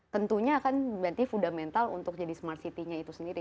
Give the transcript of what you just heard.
tentunya akan berarti fundamental untuk jadi smart city nya itu sendiri